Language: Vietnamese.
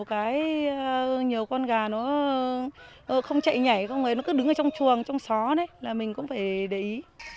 còn nhiều con gà nó không chạy nhảy nó cứ đứng ở trong chuồng trong xó đấy là mình cũng phải để ý